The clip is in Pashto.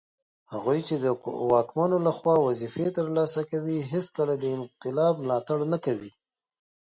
هغوی چي د واکمنو لخوا وظیفې ترلاسه کوي هیڅکله د انقلاب ملاتړ نه کوي